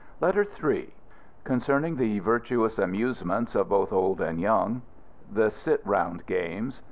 LETTER III Concerning the virtuous amusements of both old and young. The sit round games.